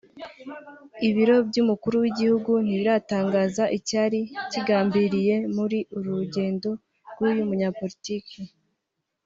Ibiro by’Umukuru w’Igihugu ntibiratangaza icyari kigambiriwe muri uru rugendo rw’uyu munyapolitiki